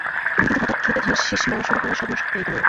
কিন্তু হঠাৎ খেতে ধানের শিষ মরা শুরু করায় সর্বনাশ হয়ে গেল।